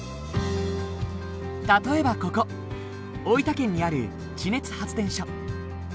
例えばここ大分県にある地熱発電所。